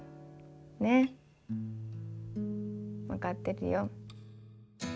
ね、分かってるよ。